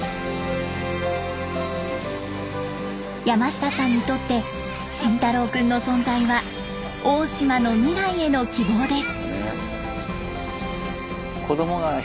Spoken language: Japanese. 山下さんにとって晋太郎君の存在は黄島の未来への希望です。